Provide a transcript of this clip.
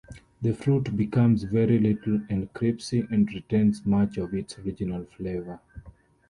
The fruit becomes very light and crispy and retains much of its original flavor.